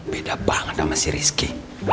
beda banget sama si rizky